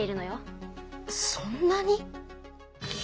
そんなに？